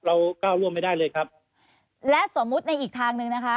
เราก้าวร่วมไม่ได้เลยครับและสมมุติในอีกทางหนึ่งนะคะ